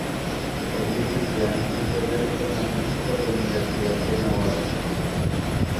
Es licenciada en Ciencias de la Información por la Universidad de Navarra.